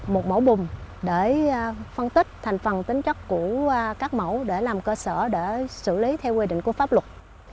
một mẫu bùm để phân tích thành phần tính chất của các mẫu để làm cơ sở để xử lý theo quy định của pháp luật